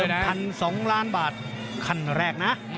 และกูเดิมพันสองล้านบาทคันแรกนะ